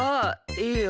いいよ。